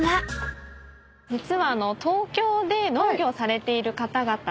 実は。